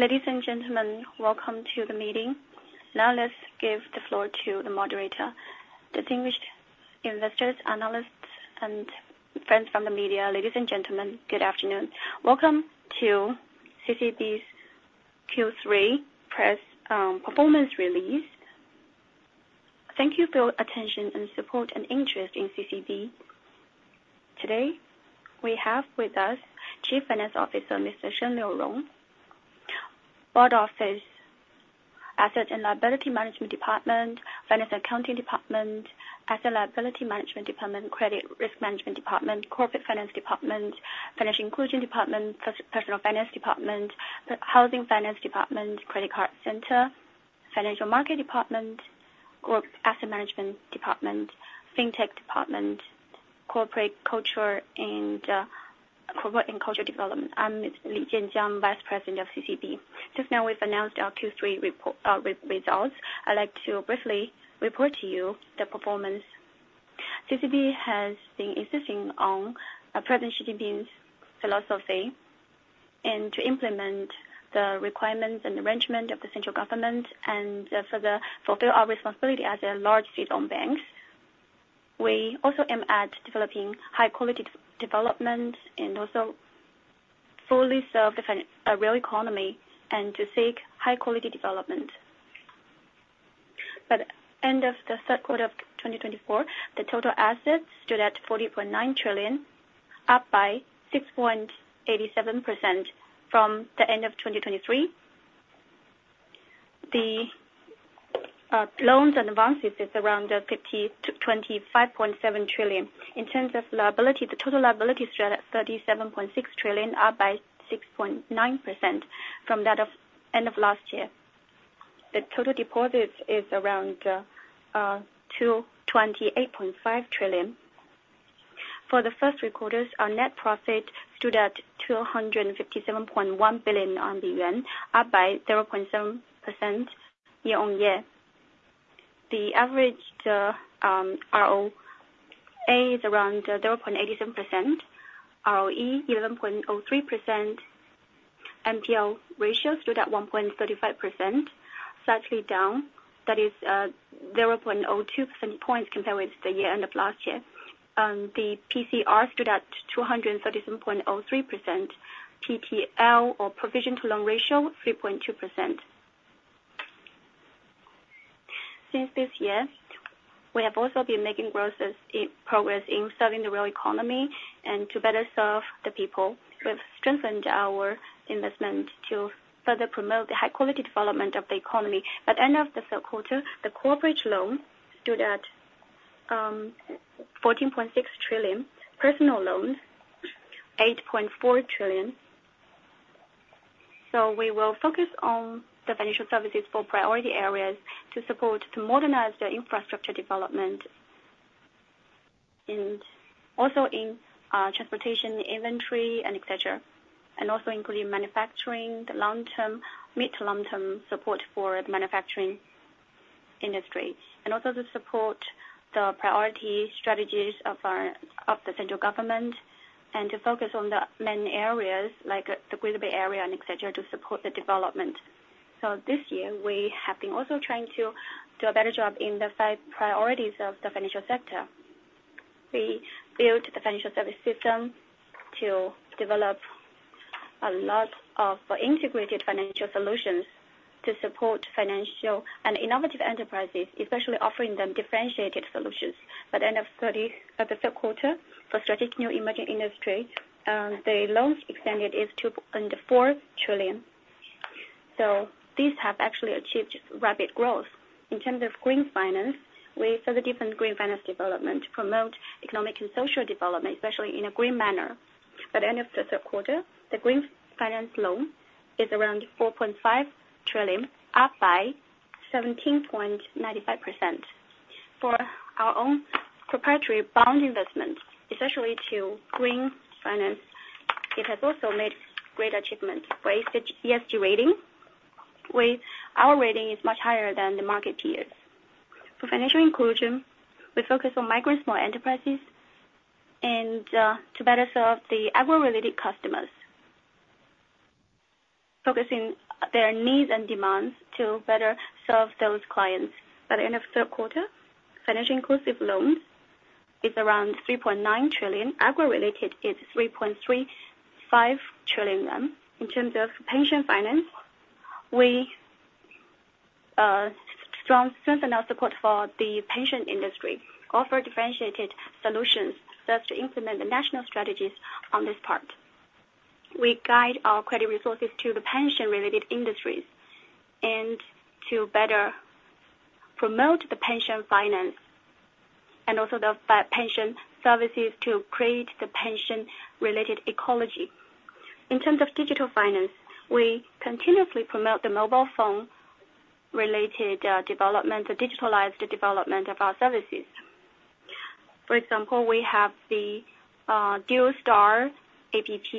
Ladies and gentlemen, welcome to the meeting. Now let's give the floor to the moderator. Distinguished investors, analysts, and friends from the media, ladies and gentlemen, good afternoon. Welcome to CCB's Q3 press performance release. Thank you for your attention and support and interest in CCB. Today we have with us Chief Finance Officer Mr. Sheng Liurong, Board Office, Asset and Liability Management Department, Finance and Accounting Department, Credit Risk Management Department, Corporate Finance Department, Financial Inclusion Department, Personal Finance Department, Housing Finance Department, Credit Card Center, Financial Market Department, Group Asset Management Department, Fintech Department, Corporate Culture and Corporate Culture Development. I'm Li Jianjiang, Vice President of CCB. Just now we've announced our Q3 results. I'd like to briefly report to you the performance. CCB has been insisting on President Xi Jinping's philosophy and to implement the requirements and arrangements of the central government and further fulfill our responsibility as a large state-owned bank. We also aim at developing high-quality development and also fully serve the real economy and to seek high-quality development. By the end of the third quarter of 2024, the total assets stood at 40.9 trillion, up by 6.87% from the end of 2023. The loans and advances are around 25.7 trillion. In terms of liability, the total liability stood at 37.6 trillion, up by 6.9% from that of the end of last year. The total deposits are around 22.85 trillion. For the first three quarters, our net profit stood at 257.1 billion yuan, up by 0.7% year on year. The average ROA is around 0.87%, ROE 11.03%, NPL ratio stood at 1.35%, slightly down, that is 0.02 points compared with the year end of last year. The PCR stood at 237.03%, PTL or Provision to Loan ratio 3.2%. Since this year, we have also been making progress in serving the real economy and to better serve the people. We've strengthened our investment to further promote the high-quality development of the economy. By the end of the third quarter, the corporate loan stood at 14.6 trillion, personal loan 8.4 trillion. We will focus on the financial services for priority areas to support, to modernize the infrastructure development, and also in transportation inventory, etc., and also including manufacturing, the mid to long-term support for the manufacturing industry, and also to support the priority strategies of the central government and to focus on the main areas like the Greater Bay Area, etc., to support the development. This year, we have been also trying to do a better job in the five priorities of the financial sector. We built the financial service system to develop a lot of integrated financial solutions to support financial and innovative enterprises, especially offering them differentiated solutions. By the end of the third quarter, for strategic new emerging industries, the loans extended is 2.4 trillion. These have actually achieved rapid growth. In terms of green finance, we further deepened green finance development to promote economic and social development, especially in a green manner. By the end of the third quarter, the green finance loan is around 4.5 trillion, up by 17.95%. For our own proprietary bond investment, especially to green finance, it has also made great achievements. For ESG rating, our rating is much higher than the market peers. For financial inclusion, we focus on migrant small enterprises and to better serve the agro-related customers, focusing their needs and demands to better serve those clients. By the end of the third quarter, financial inclusive loans is around 3.9 trillion. Agro-related is 3.35 trillion. In terms of pension finance, we strengthen our support for the pension industry, offer differentiated solutions such as to implement the national strategies on this part. We guide our credit resources to the pension-related industries and to better promote the pension finance and also the pension services to create the pension-related ecology. In terms of digital finance, we continuously promote the mobile phone-related development, the digitalized development of our services. For example, we have the Dual Star App,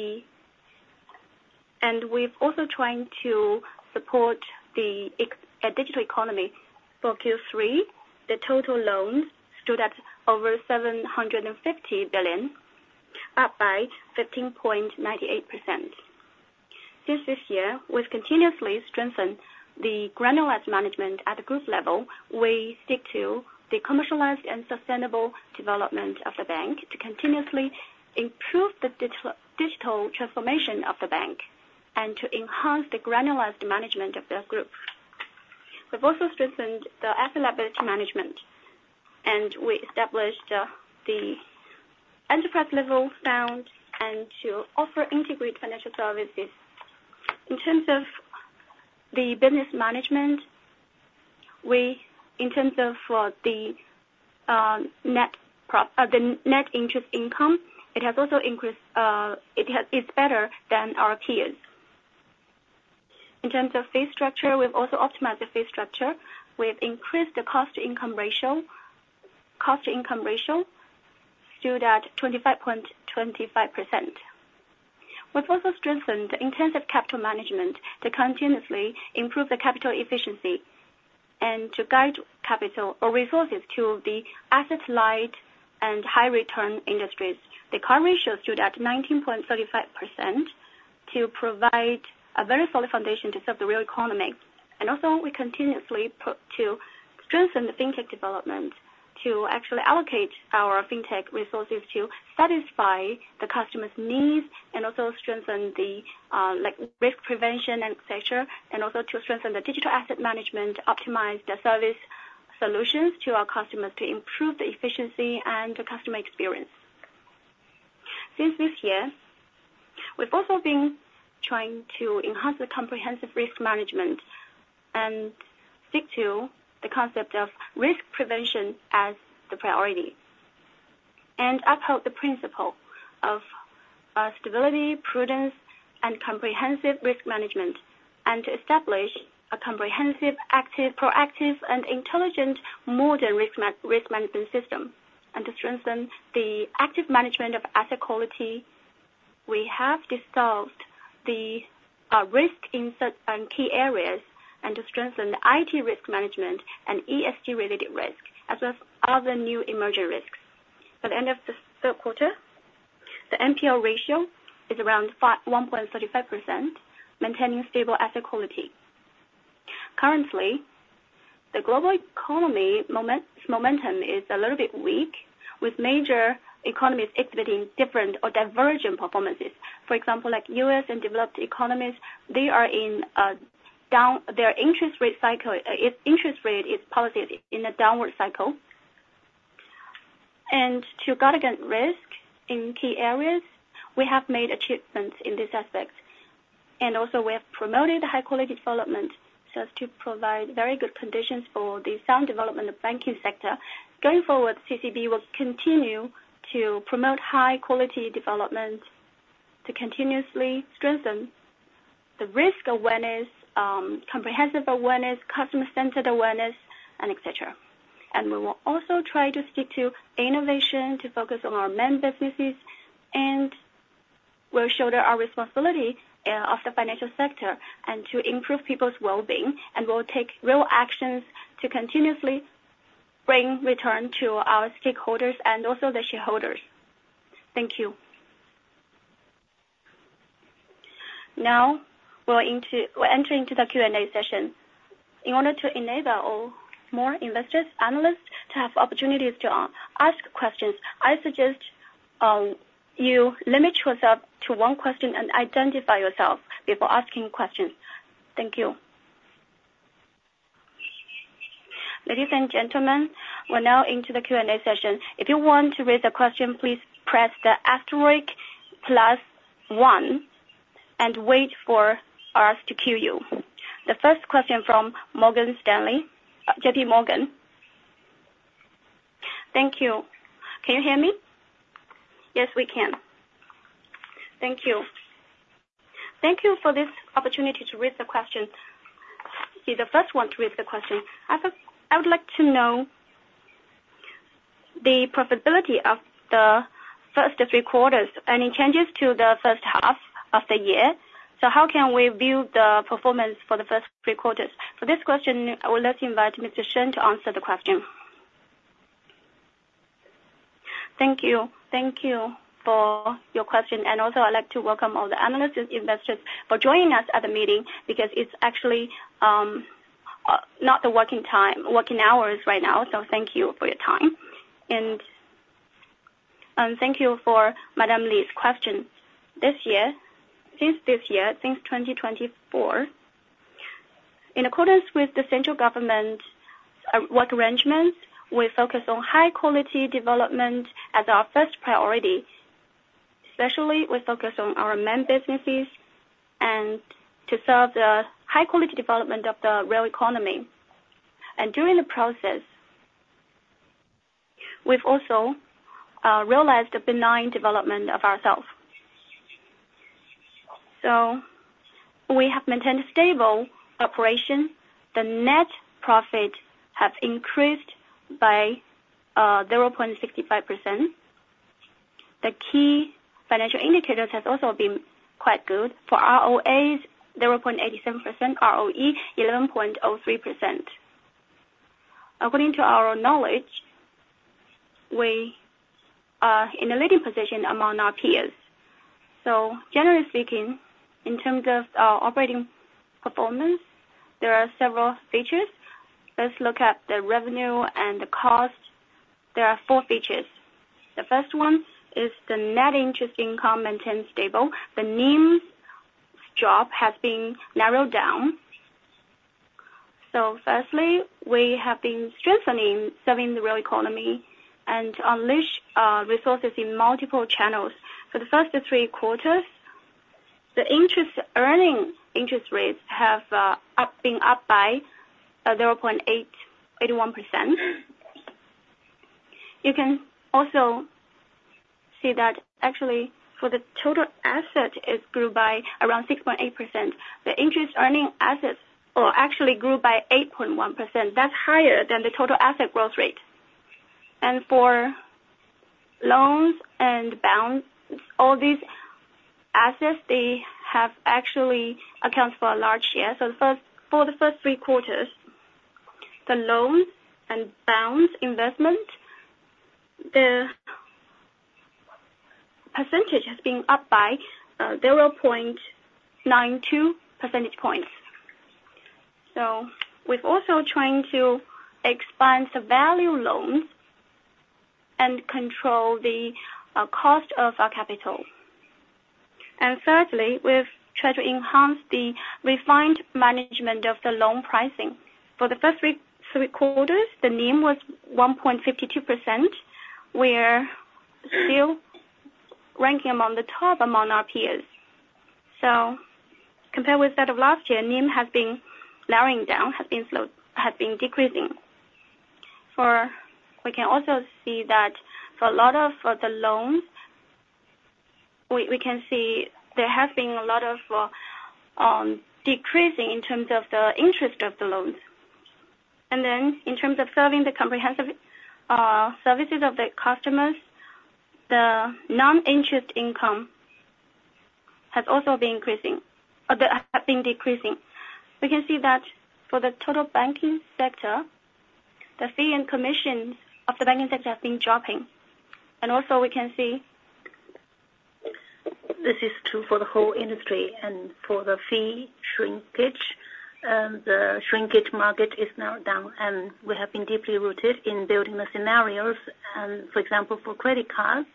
and we've also tried to support the digital economy. For Q3, the total loans stood at over 750 billion, up by 15.98%. Since this year, we've continuously strengthened the granular management at the group level. We stick to the commercialized and sustainable development of the bank to continuously improve the digital transformation of the bank and to enhance the granular management of the group. We've also strengthened the asset liability management, and we established the enterprise-level fund and to offer integrated financial services. In terms of the business management, in terms of the net interest income, it has also increased. It's better than our peers. In terms of fee structure, we've also optimized the fee structure. We've increased the cost-to-income ratio. Cost-to-income ratio stood at 25.25%. We've also strengthened the intensive capital management to continuously improve the capital efficiency and to guide capital or resources to the asset-light and high-return industries. The current ratio stood at 19.35% to provide a very solid foundation to serve the real economy. We continuously strengthened the fintech development to actually allocate our fintech resources to satisfy the customer's needs and also strengthen the risk prevention, etc., and also to strengthen the digital asset management, optimize the service solutions to our customers to improve the efficiency and the customer experience. Since this year, we've also been trying to enhance the comprehensive risk management and stick to the concept of risk prevention as the priority and uphold the principle of stability, prudence, and comprehensive risk management, and to establish a comprehensive, proactive, and intelligent modern risk management system and to strengthen the active management of asset quality. We have resolved the risk in key areas and to strengthen the IT risk management and ESG-related risk as well as other new emerging risks. By the end of the third quarter, the NPL ratio is around 1.35%, maintaining stable asset quality. Currently, the global economy momentum is a little bit weak, with major economies exhibiting different or divergent performances. For example, like U.S. and developed economies, their interest rate policy is in a downward cycle, and to guard against risk in key areas, we have made achievements in this aspect. And also, we have promoted high-quality development such as to provide very good conditions for the sound development of the banking sector. Going forward, CCB will continue to promote high-quality development to continuously strengthen the risk awareness, comprehensive awareness, customer-centered awareness, etc. And we will also try to stick to innovation to focus on our main businesses, and we'll shoulder our responsibility of the financial sector and to improve people's well-being. And we'll take real actions to continuously bring returns to our stakeholders and also the shareholders. Thank you. Now we're entering into the Q&A session. In order to enable more investors, analysts to have opportunities to ask questions, I suggest you limit yourself to one question and identify yourself before asking questions. Thank you. Ladies and gentlemen, we're now into the Q&A session. If you want to raise a question, please press the asterisk plus one and wait for us to queue you. The first question from JPMorgan. Thank you. Can you hear me? Yes, we can. Thank you. Thank you for this opportunity to raise the question. He's the first one to raise the question. I would like to know the profitability of the first three quarters, any changes to the first half of the year. So how can we view the performance for the first three quarters? For this question, I would like to invite Mr. Sheng to answer the question. Thank you. Thank you for your question. And also, I'd like to welcome all the analysts and investors for joining us at the meeting because it's actually not the working hours right now. So thank you for your time. And thank you for Madam Li's question. Since this year, since 2024, in accordance with the central government work arrangements, we focus on high-quality development as our first priority, especially with focus on our main businesses and to serve the high-quality development of the real economy, and during the process, we've also realized the benign development of ourselves, so we have maintained stable operation. The net profit has increased by 0.65%. The key financial indicators have also been quite good for ROA 0.87%, ROE 11.03%. According to our knowledge, we are in a leading position among our peers, so generally speaking, in terms of operating performance, there are several features. Let's look at the revenue and the cost. There are four features. The first one is the net interest income maintained stable. The NIM has been narrowed down, so firstly, we have been strengthening serving the real economy and unleash resources in multiple channels. For the first three quarters, the interest earning interest rates have been up by 0.81%. You can also see that actually for the total asset, it's grew by around 6.8%. The interest earning assets actually grew by 8.1%. That's higher than the total asset growth rate. And for loans and bonds, all these assets, they have actually accounted for a large share. So for the first three quarters, the loans and bonds investment, the percentage has been up by 0.92 percentage points. So we've also tried to expand the value loans and control the cost of our capital. And thirdly, we've tried to enhance the refined management of the loan pricing. For the first three quarters, the NIM was 1.52%. We're still ranking among the top among our peers. So compared with that of last year, NIM has been narrowing down, has been decreasing. We can also see that for a lot of the loans, we can see there has been a lot of decreasing in terms of the interest of the loans. And then in terms of serving the comprehensive services of the customers, the non-interest income has also been decreasing. We can see that for the total banking sector, the fees and commissions of the banking sector have been dropping. And also, we can see this is true for the whole industry and for the fee shrinkage. The shrinkage market is now down, and we have been deeply rooted in building the scenarios. And for example, for credit cards,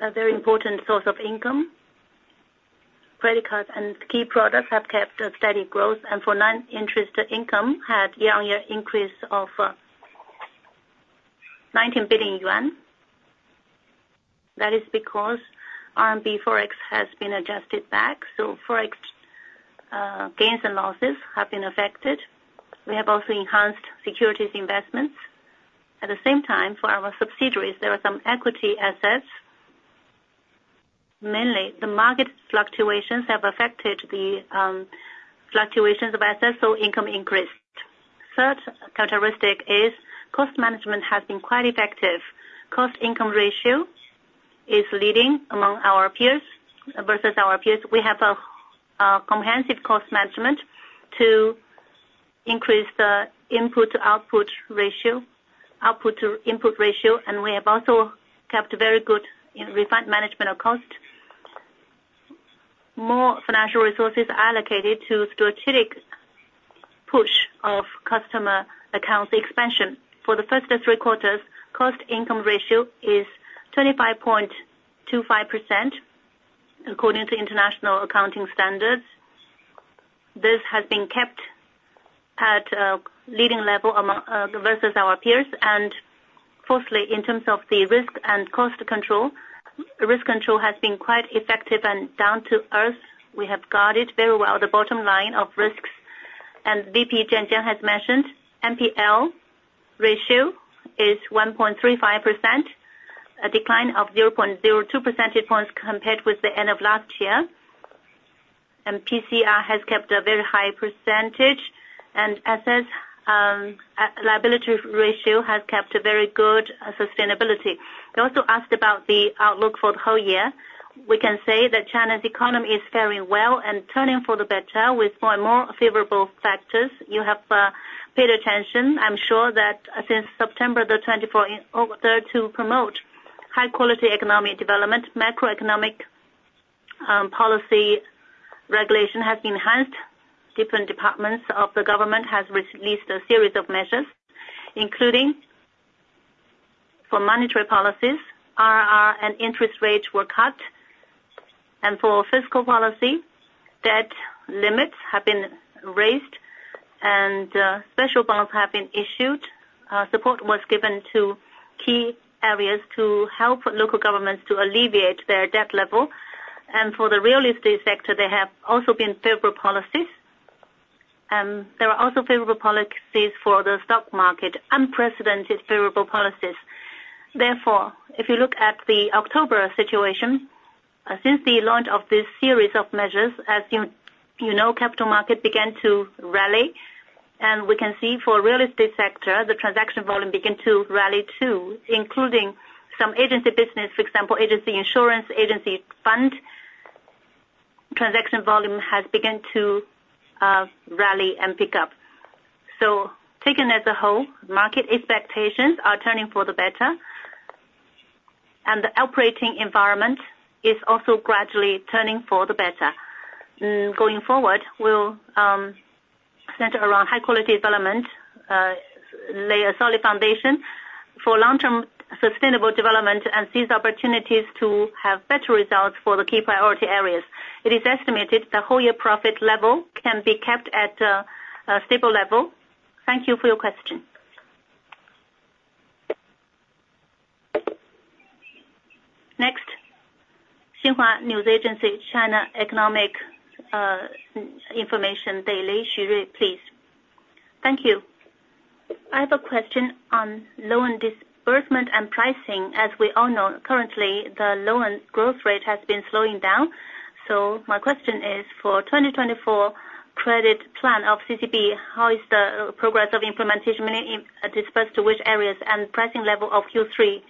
a very important source of income, credit cards and key products have kept a steady growth. And for non-interest income, had year-on-year increase of 19 billion yuan. That is because RMB Forex has been adjusted back. Forex gains and losses have been affected. We have also enhanced securities investments. At the same time, for our subsidiaries, there are some equity assets. Mainly, the market fluctuations have affected the fluctuations of assets, so income increased. Third characteristic is cost management has been quite effective. Cost-to-income ratio is leading among our peers. Versus our peers, we have a comprehensive cost management to increase the input-to-output ratio, output-to-input ratio, and we have also kept very good refined management of cost. More financial resources are allocated to strategic push of customer accounts expansion. For the first three quarters, cost-to-income ratio is 25.25% according to international accounting standards. This has been kept at a leading level versus our peers. Fourthly, in terms of the risk and cost control, risk control has been quite effective and down to earth. We have guarded very well the bottom line of risks. VP Jiang Jiang has mentioned NPL ratio is 1.35%, a decline of 0.02 percentage points compared with the end of last year. PCR has kept a very high percentage, and asset liability ratio has kept a very good sustainability. They also asked about the outlook for the whole year. We can say that China's economy is faring well and turning for the better with more and more favorable factors. You have paid attention. I'm sure that since September the 24th, to promote high-quality economic development, macroeconomic policy regulation has been enhanced. Different departments of the government have released a series of measures, including for monetary policies, RRR and interest rates were cut. For fiscal policy, debt limits have been raised and special bonds have been issued. Support was given to key areas to help local governments to alleviate their debt level. For the real estate sector, there have also been favorable policies. There are also favorable policies for the stock market, unprecedented favorable policies. Therefore, if you look at the October situation, since the launch of this series of measures, as you know, capital market began to rally. We can see for real estate sector, the transaction volume began to rally too, including some agency business, for example, agency insurance, agency fund transaction volume has begun to rally and pick up. Taken as a whole, market expectations are turning for the better, and the operating environment is also gradually turning for the better. Going forward, we'll center around high-quality development, lay a solid foundation for long-term sustainable development, and seize opportunities to have better results for the key priority areas. It is estimated the whole year profit level can be kept at a stable level. Thank you for your question. Next, Xinhua News Agency, China Economic Information Daily, Xu Rui, please. Thank you. I have a question on loan disbursement and pricing. As we all know, currently, the loan growth rate has been slowing down. So my question is, for 2024 credit plan of CCB, how is the progress of implementation disbursed to which areas and pricing level of Q3?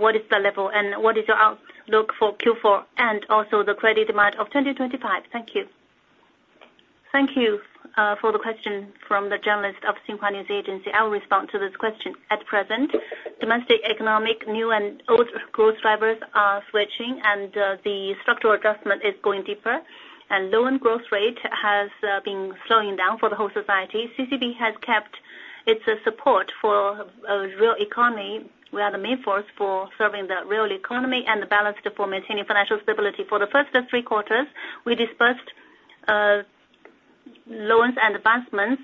What is the level, and what is your outlook for Q4 and also the credit demand of 2025? Thank you. Thank you for the question from the journalist of Xinhua News Agency. I will respond to this question. At present, domestic economic new and old growth drivers are switching, and the structural adjustment is going deeper, and loan growth rate has been slowing down for the whole society. CCB has kept its support for the real economy. We are the main force for serving the real economy and the balance to maintain financial stability. For the first three quarters, we disbursed loans and advances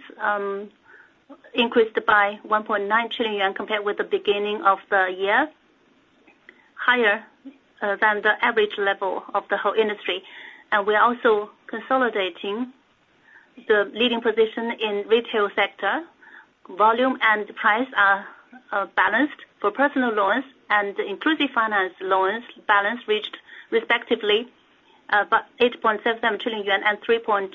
increased by 1.9 trillion yuan compared with the beginning of the year, higher than the average level of the whole industry, and we are also consolidating the leading position in the retail sector. Volume and price are balanced. For personal loans and inclusive finance loans, balance reached respectively 8.77 trillion yuan and 3.29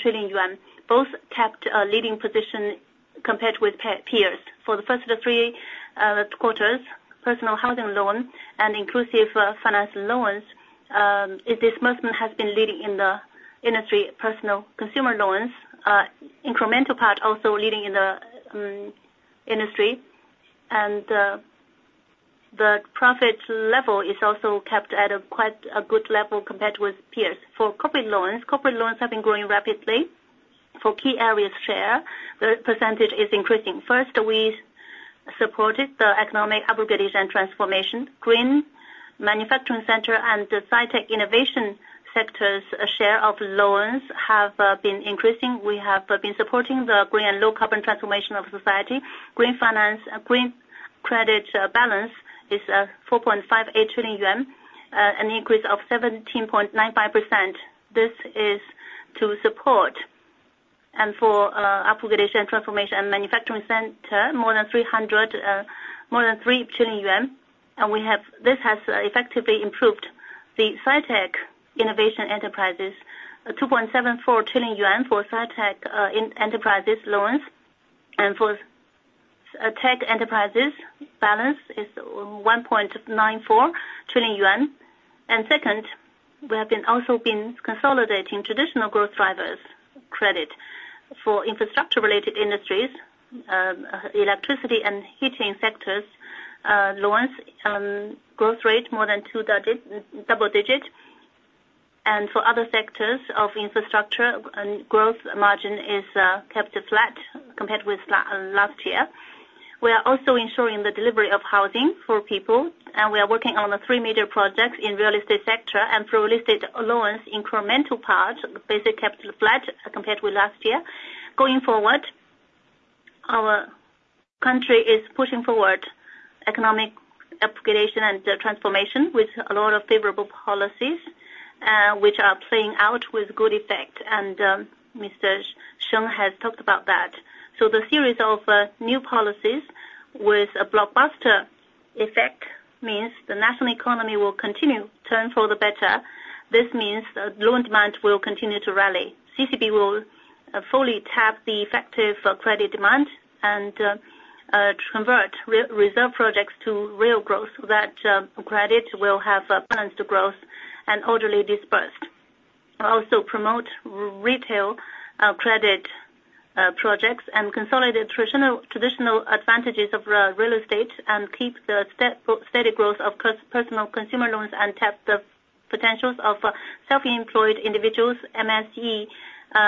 trillion yuan. Both kept a leading position compared with peers. For the first three quarters, personal housing loans and inclusive finance loans, disbursement has been leading in the industry. Personal consumer loans, incremental part also leading in the industry, and the profit level is also kept at a quite good level compared with peers. For corporate loans, corporate loans have been growing rapidly. For key areas share, the percentage is increasing. First, we supported the economic aggregation transformation, green manufacturing center, and the high-tech innovation sectors. Share of loans have been increasing. We have been supporting the green and low-carbon transformation of society. Green finance, green credit balance is 4.58 trillion yuan, an increase of 17.95%. This is to support. And for aggregation transformation and manufacturing center, more than 300, more than 3 trillion yuan. And this has effectively improved the high-tech innovation enterprises, 2.74 trillion yuan for high-tech enterprises loans. And for tech enterprises, balance is 1.94 trillion yuan. And second, we have also been consolidating traditional growth drivers, credit for infrastructure-related industries, electricity and heating sectors, loans growth rate more than two double digits. And for other sectors of infrastructure, growth margin is kept flat compared with last year. We are also ensuring the delivery of housing for people, and we are working on the three major projects in the real estate sector and for real estate loans, incremental part, basic capital flat compared with last year. Going forward, our country is pushing forward economic aggregation and transformation with a lot of favorable policies which are playing out with good effect, and Mr. Sheng has talked about that. So the series of new policies with a blockbuster effect means the national economy will continue to turn for the better. This means loan demand will continue to rally. CCB will fully tap the effective credit demand and convert reserve projects to real growth. That credit will have balanced growth and orderly disbursed. We also promote retail credit projects and consolidate traditional advantages of real estate and keep the steady growth of personal consumer loans and tap the potentials of self-employed individuals, MSE,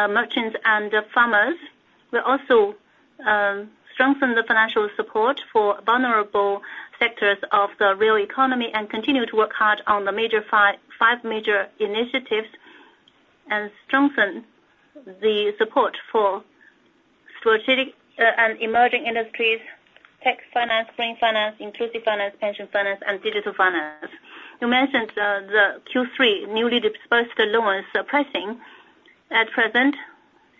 merchants, and farmers. We also strengthen the financial support for vulnerable sectors of the real economy and continue to work hard on the five major initiatives and strengthen the support for strategic and emerging industries, tech finance, green finance, inclusive finance, pension finance, and digital finance. You mentioned the Q3 newly disbursed loans pricing. At present,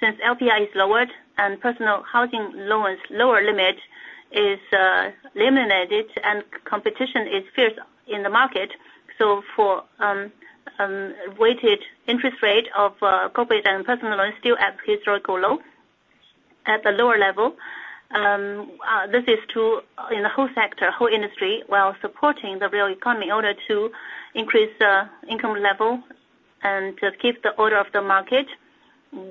since LPR is lowered and personal housing loans lower limit is eliminated and competition is fierce in the market, so for weighted interest rate of corporate and personal loans still at historical low, at the lower level, this is true in the whole sector, whole industry. While supporting the real economy in order to increase the income level and keep the order of the market,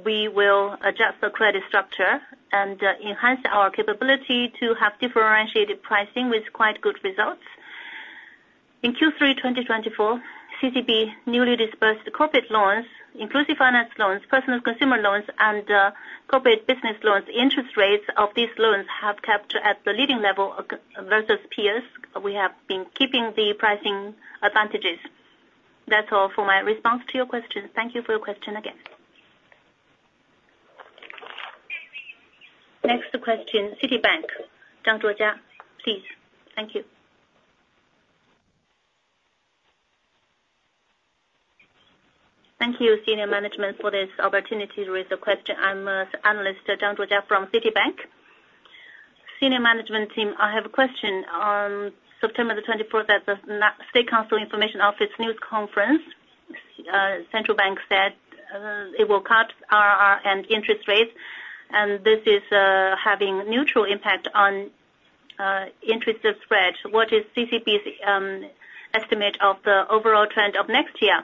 we will adjust the credit structure and enhance our capability to have differentiated pricing with quite good results. In Q3 2024, CCB newly disbursed corporate loans, inclusive finance loans, personal consumer loans, and corporate business loans. Interest rates of these loans have kept at the leading level versus peers. We have been keeping the pricing advantages. That's all for my response to your question. Thank you for your question again. Next question, Citibank, Zhang Zhuojia, please. Thank you. Thank you, Senior Management, for this opportunity to raise a question. I'm an analyst, Zhang Zhuojia from Citibank. Senior Management Team, I have a question. On September the 24th, at the State Council Information Office news conference, Central Bank said it will cut RRR and interest rates, and this is having a neutral impact on interest rate spread. What is CCB's estimate of the overall trend of next year?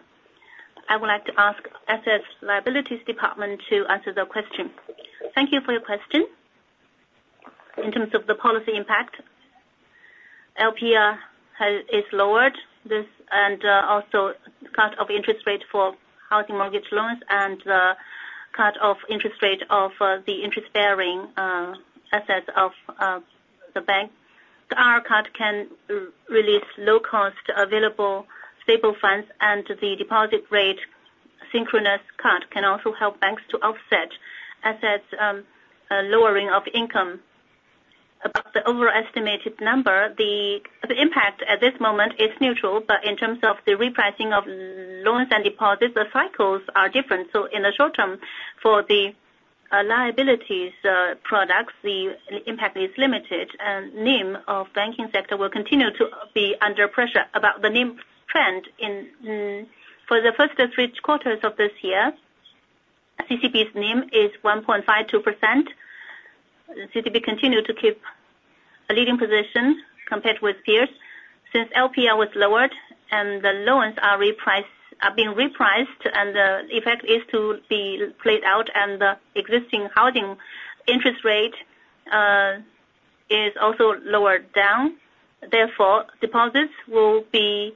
I would like to ask Assets Liabilities Department to answer the question. Thank you for your question. In terms of the policy impact, LPR is lowered, and also cut of interest rate for housing mortgage loans and cut of interest rate of the interest-bearing assets of the bank. The RRR cut can release low-cost available stable funds, and the deposit rate synchronous cut can also help banks to offset assets' lowering of income. About the overestimated number, the impact at this moment is neutral, but in terms of the repricing of loans and deposits, the cycles are different. So in the short term, for the liabilities products, the impact is limited, and NIM of banking sector will continue to be under pressure. About the NIM trend, for the first three quarters of this year, CCB's NIM is 1.52%. CCB continued to keep a leading position compared with peers. Since LPR was lowered and the loans are being repriced, and the effect is to be played out, and the existing housing interest rate is also lowered down. Therefore, deposits will be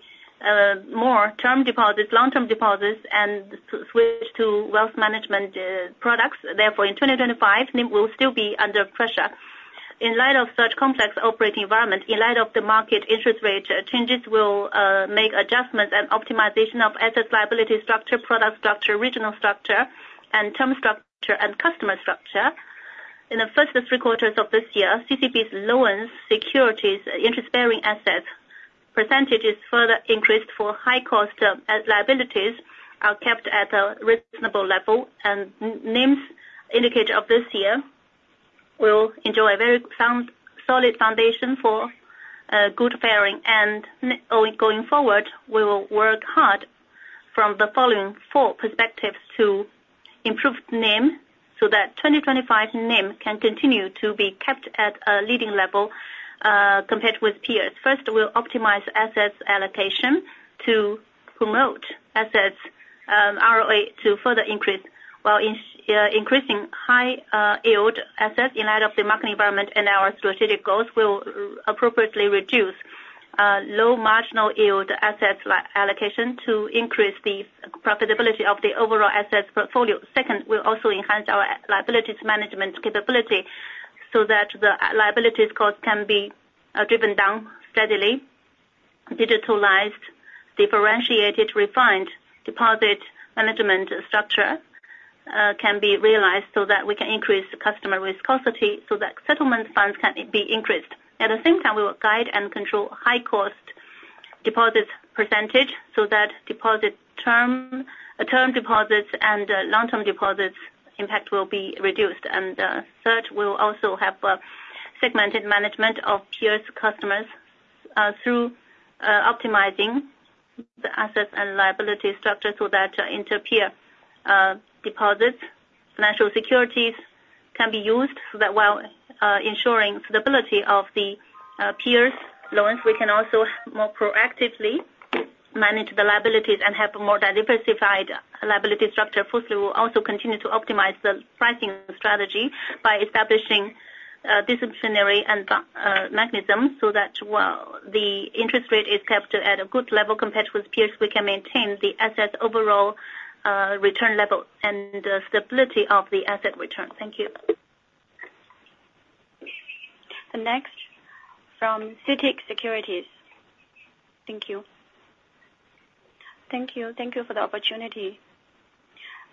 more term deposits, long-term deposits, and switch to wealth management products. Therefore, in 2025, NIM will still be under pressure. In light of such complex operating environment, in light of the market interest rate changes, we'll make adjustments and optimization of asset liability structure, product structure, regional structure, and term structure and customer structure. In the first three quarters of this year, CCB's loans, securities, interest-bearing assets' percentage is further increased, for high-cost liabilities are kept at a reasonable level, and NIM's indicator of this year will enjoy a very solid foundation for good faring, and going forward, we will work hard from the following four perspectives to improve NIM so that 2025 NIM can continue to be kept at a leading level compared with peers. First, we'll optimize assets allocation to promote assets' ROI to further increase. While increasing high-yield assets in light of the market environment and our strategic goals, we'll appropriately reduce low-marginal-yield assets' allocation to increase the profitability of the overall assets' portfolio. Second, we'll also enhance our liabilities management capability so that the liabilities cost can be driven down steadily. Digitalized, differentiated, refined deposit management structure can be realized so that we can increase customer risk capacity so that settlement funds can be increased. At the same time, we will guide and control high-cost deposits' percentage so that deposit term deposits and long-term deposits' impact will be reduced. And third, we'll also have segmented management of peers' customers through optimizing the assets' and liabilities' structure so that inter-peer deposits, financial securities can be used. So that while ensuring stability of the peers' loans, we can also more proactively manage the liabilities and have a more diversified liability structure. Fourthly, we'll also continue to optimize the pricing strategy by establishing disciplinary mechanisms so that while the interest rate is kept at a good level compared with peers, we can maintain the assets' overall return level and stability of the asset return. Thank you. Next, from CITIC Securities. Thank you. Thank you. Thank you for the opportunity.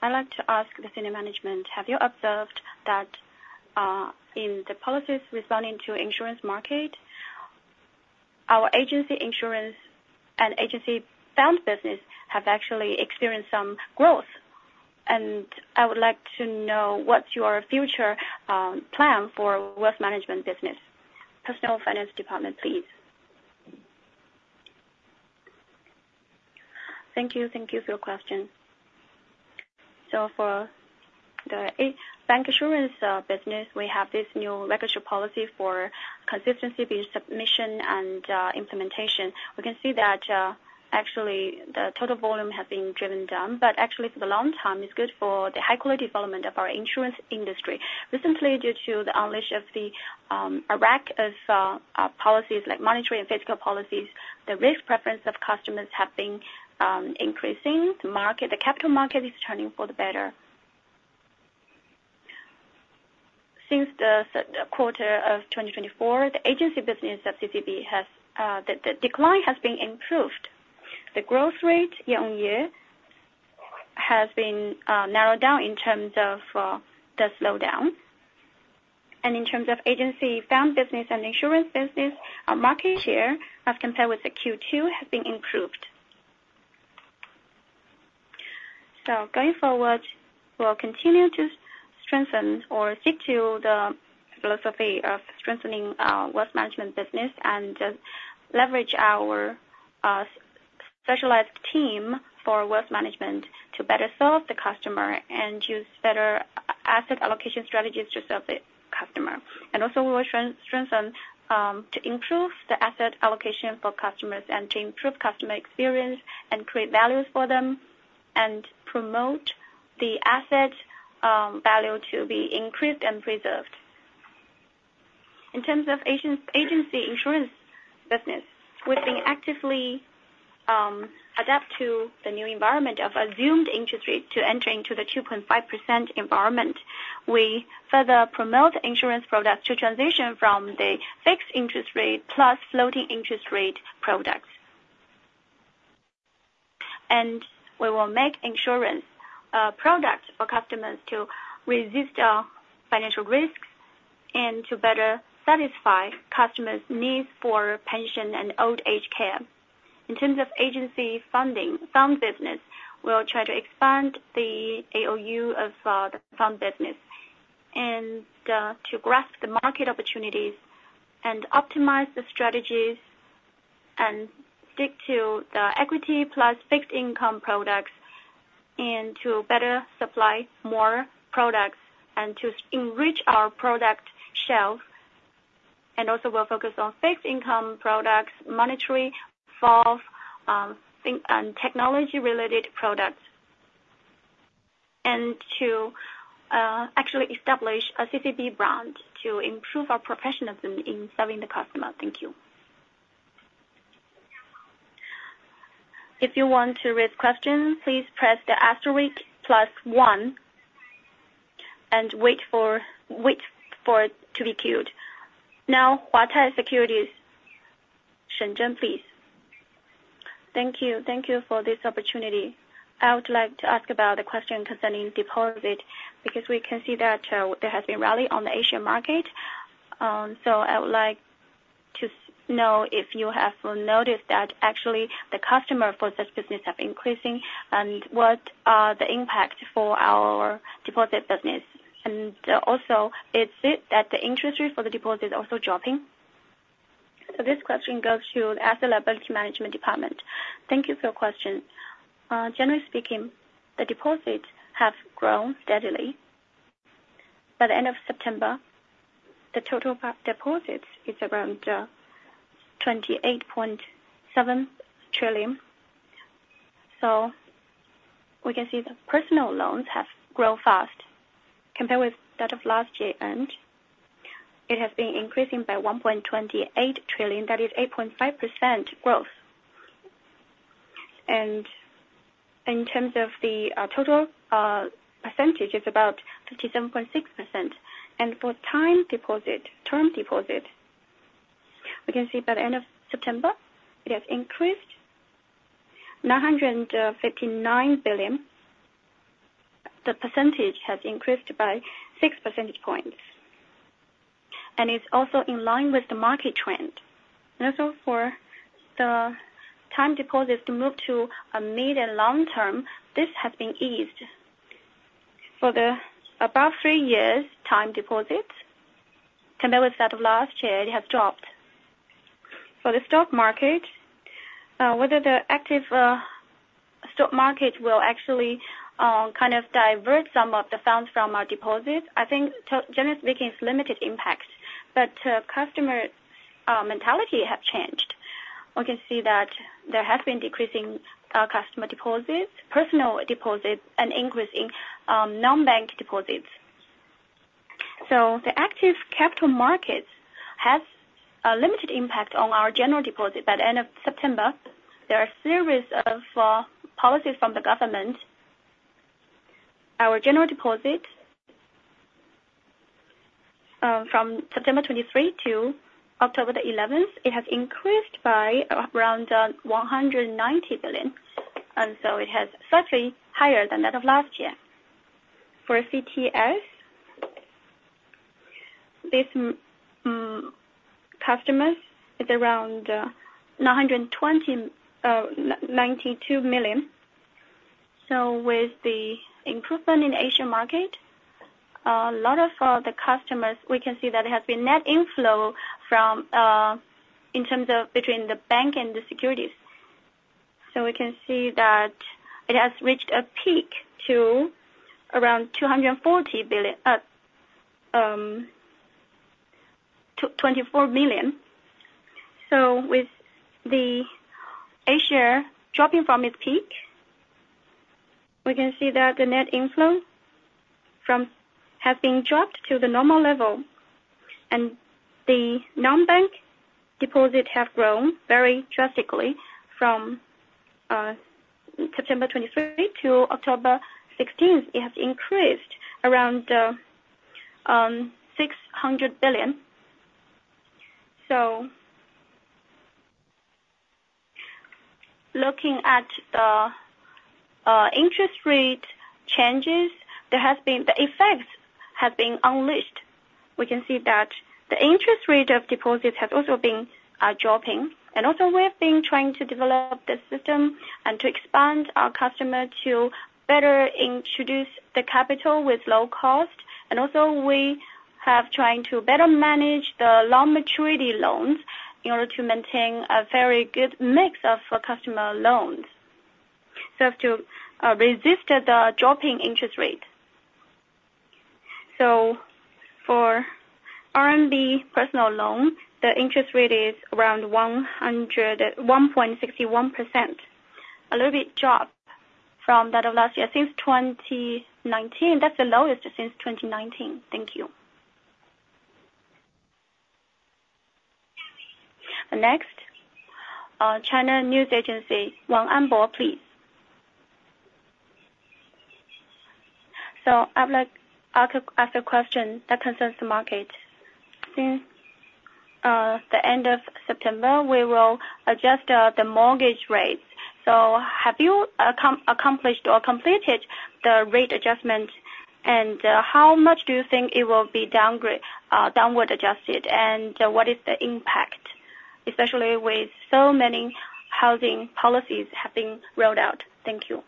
I'd like to ask the Senior Management, have you observed that in the policies responding to the insurance market, our agency insurance and agency-bound business have actually experienced some growth, and I would like to know what's your future plan for wealth management business. Personnel Finance Department, please. Thank you. Thank you for your question, so for the bank insurance business, we have this new regulatory policy for consistency between submission and implementation. We can see that actually the total volume has been driven down, but actually for the long term, it's good for the high-quality development of our insurance industry. Recently, due to the unleashing of a raft of policies, like monetary and fiscal policies, the risk preference of customers has been increasing. The capital market is turning for the better. Since the quarter of 2024, the agency business of CCB, the decline has been improved. The growth rate year on year has been narrowed down in terms of the slowdown. In terms of agency business and insurance business, our market share as compared with Q2 has been improved. Going forward, we'll continue to strengthen or stick to the philosophy of strengthening wealth management business and leverage our specialized team for wealth management to better serve the customer and use better asset allocation strategies to serve the customer. We will strengthen to improve the asset allocation for customers and to improve customer experience and create value for them and promote the asset value to be increased and preserved. In terms of agency and insurance business, we've been actively adapting to the new environment of assumed interest rate to enter into the 2.5% environment. We further promote insurance products to transition from the fixed interest rate plus floating interest rate products, and we will make insurance products for customers to resist financial risks and to better satisfy customers' needs for pension and old-age care. In terms of agency funding, fund business, we'll try to expand the AUM of the fund business and to grasp the market opportunities and optimize the strategies and stick to the equity plus fixed income products and to better supply more products and to enrich our product shelf, and also we'll focus on fixed income products, monetary [vol], and technology-related products, and to actually establish a CCB brand to improve our professionalism in serving the customer. Thank you. If you want to raise questions, please press the asterisk plus one and wait for it to be queued. Now, Huatai Securities, Shen Juan, please. Thank you. Thank you for this opportunity. I would like to ask about the question concerning deposit because we can see that there has been rally on the Asian market. So I would like to know if you have noticed that actually the customer for this business have increasing and what are the impact for our deposit business. And also, is it that the interest rate for the deposit is also dropping? So this question goes to the Asset Liability Management Department. Thank you for your question. Generally speaking, the deposits have grown steadily. By the end of September, the total deposits is around 28.7 trillion. So we can see the personal loans have grown fast compared with that of last year, and it has been increasing by 1.28 trillion. That is 8.5% growth. And in terms of the total percentage, it's about 57.6%. For time deposit, term deposit, we can see by the end of September, it has increased 959 billion. The percentage has increased by six percentage points. It's also in line with the market trend. Also, for the time deposits to move to a mid and long term, this has been eased. For the above three years' time deposits, compared with that of last year, it has dropped. For the stock market, whether the active stock market will actually kind of divert some of the funds from our deposits, I think generally speaking, it's limited impact. But customer mentality has changed. We can see that there has been decreasing customer deposits, personal deposits, and increasing non-bank deposits. So the active capital markets have a limited impact on our general deposit. By the end of September, there are a series of policies from the government. Our general deposit from September 23 to October 11th has increased by around 190 billion, and so it has slightly higher than that of last year. For CTS, this customer is around 922 million, so with the improvement in the A-share market, a lot of the customers, we can see that there has been net inflow in terms of between the bank and the securities, so we can see that it has reached a peak to around RMB 244 million, so with the A-share dropping from its peak, we can see that the net inflow has been dropped to the normal level, and the non-bank deposits have grown very drastically from September 23 to October 16. It has increased around RMB 600 billion, so looking at the interest rate changes, the effects have been unleashed. We can see that the interest rate of deposits has also been dropping. And also, we've been trying to develop the system and to expand our customer to better introduce the capital with low cost. And also, we have tried to better manage the long-maturity loans in order to maintain a very good mix of customer loans to resist the dropping interest rate. So for RMB personal loan, the interest rate is around 1.61%, a little bit dropped from that of last year. Since 2019, that's the lowest since 2019. Thank you. Next, China News Service, Wanguo An, please. So I'd like to ask a question that concerns the market. Since the end of September, we will adjust the mortgage rates. So have you accomplished or completed the rate adjustment? And how much do you think it will be downward adjusted? And what is the impact, especially with so many housing policies having rolled out? Thank you.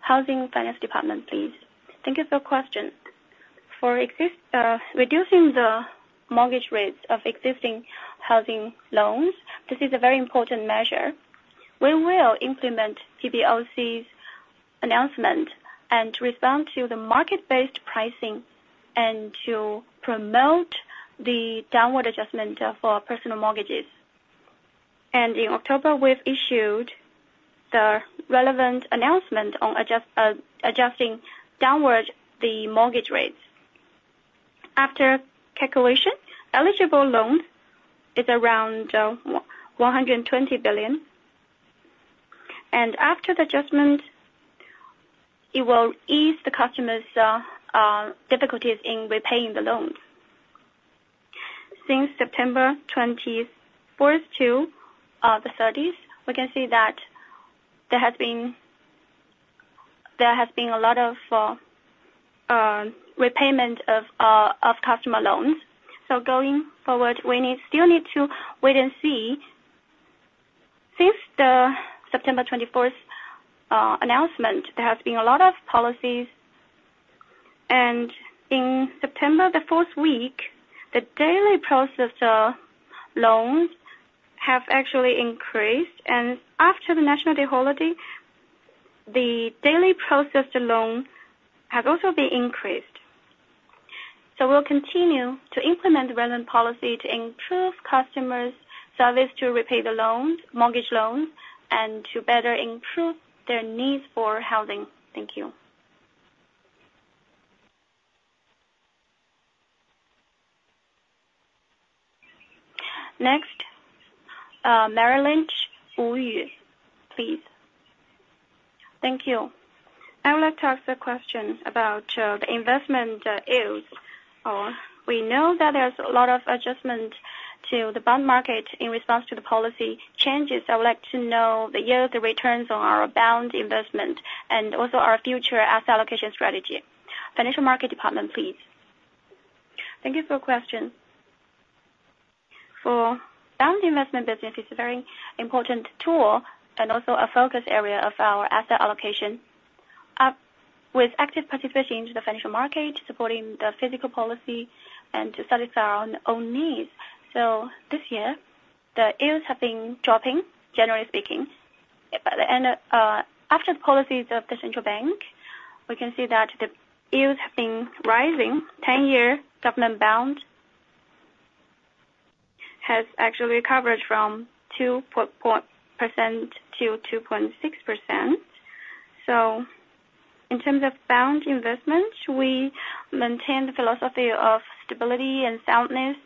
Housing Finance Department, please. Thank you for your question. For reducing the mortgage rates of existing housing loans, this is a very important measure. We will implement PBOC's announcement and respond to the market-based pricing and to promote the downward adjustment for personal mortgages, and in October, we've issued the relevant announcement on adjusting downward the mortgage rates. After calculation, eligible loans is around 120 billion, and after the adjustment, it will ease the customer's difficulties in repaying the loans. Since September 24 to the 30th, we can see that there has been a lot of repayment of customer loans, so going forward, we still need to wait and see. Since the September 24 announcement, there has been a lot of policies, and in September, the fourth week, the daily processed loans have actually increased, and after the National Day holiday, the daily processed loan has also been increased. We'll continue to implement relevant policies to improve customer service to repay the mortgage loans and to better improve their needs for housing. Thank you. Next, Merrill Lynch, Wu Yu, please. Thank you. I would like to ask a question about the investment yield. We know that there's a lot of adjustment to the bond market in response to the policy changes. I would like to know the yield, the returns on our bond investment, and also our future asset allocation strategy. Financial Market Department, please. Thank you for your question. For bond investment business, it's a very important tool and also a focus area of our asset allocation with active participation in the financial market, supporting the fiscal policy and to satisfy our own needs. This year, the yields have been dropping, generally speaking. After the policies of the central bank, we can see that the yields have been rising. 10-year government bond has actually recovered from 2.4%-2.6%. So in terms of bond investment, we maintain the philosophy of stability and soundness,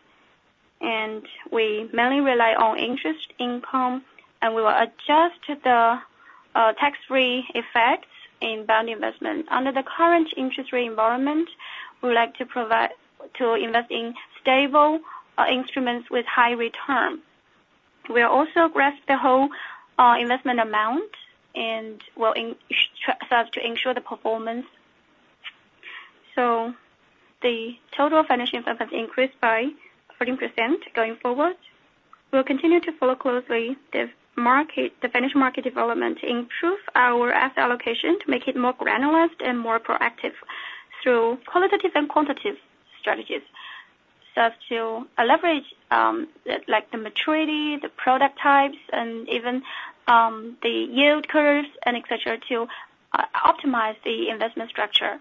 and we mainly rely on interest income, and we will adjust to the tax-free effects in bond investment. Under the current interest rate environment, we would like to invest in stable instruments with high return. We will also grasp the whole investment amount and will start to ensure the performance. So the total financial investment has increased by 14% going forward. We'll continue to follow closely the financial market development, improve our asset allocation to make it more granular and more proactive through qualitative and quantitative strategies to leverage the maturity, the product types, and even the yield curves, etc., to optimize the investment structure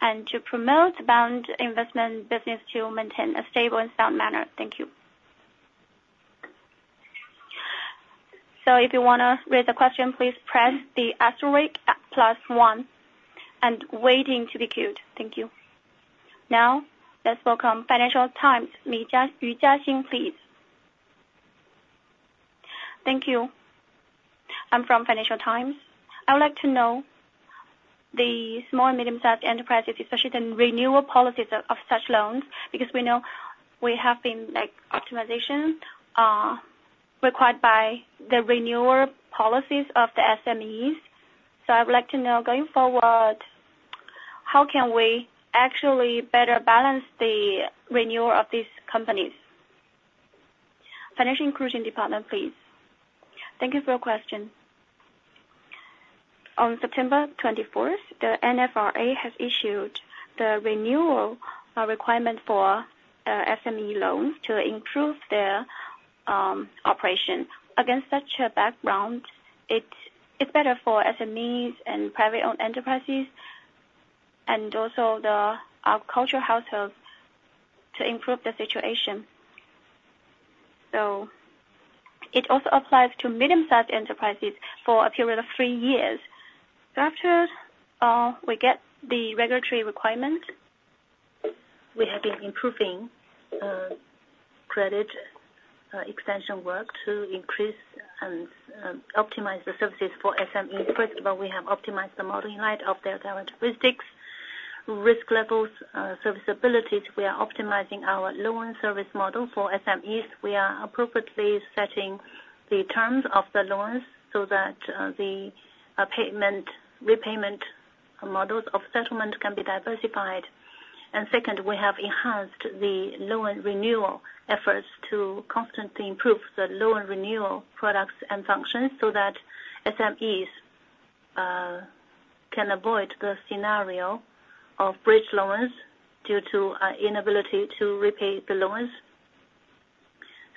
and to promote bound investment business to maintain a stable and sound manner. Thank you. So if you want to raise a question, please press the asterisk plus one and waiting to be queued. Thank you. Now, let's welcome Financial Times' Yu Jiaxing, please. Thank you. I'm from Financial Times. I would like to know the small and medium-sized enterprises, especially the renewal policies of such loans, because we know we have been optimization required by the renewal policies of the SMEs. So I would like to know going forward, how can we actually better balance the renewal of these companies? Financial Inclusion Department, please. Thank you for your question. On September 24, the NFRA has issued the renewal requirement for SME loans to improve their operation. Against such a background, it's better for SMEs and private-owned enterprises and also the agriculture households to improve the situation. So it also applies to medium-sized enterprises for a period of three years. So after we get the regulatory requirement, we have been improving credit extension work to increase and optimize the services for SMEs. First of all, we have optimized the model in light of their characteristics, risk levels, affordabilities. We are optimizing our loan service model for SMEs. We are appropriately setting the terms of the loans so that the repayment models of settlement can be diversified. And second, we have enhanced the loan renewal efforts to constantly improve the loan renewal products and functions so that SMEs can avoid the scenario of bridge loans due to inability to repay the loans.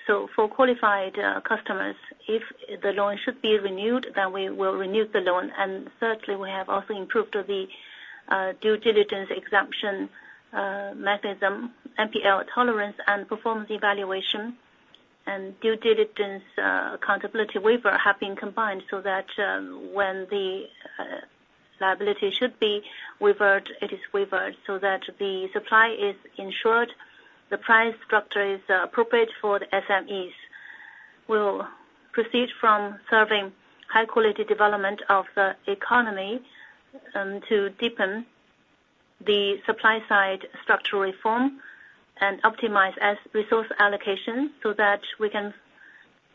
So for qualified customers, if the loan should be renewed, then we will renew the loan. And thirdly, we have also improved the due diligence exemption mechanism. NPL tolerance and performance evaluation, and due diligence accountability waiver have been combined so that when the liability should be waived, it is waived so that the supply is ensured, the price structure is appropriate for the SMEs. We will proceed from serving high-quality development of the economy to deepen the supply-side structural reform and optimize resource allocation so that we can